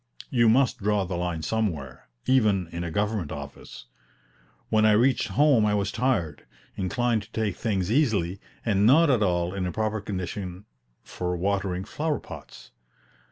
You must draw the line somewhere, even in a government office. When I reached home I was tired, inclined to take things easily, and not at all in a proper condition for watering flower pots.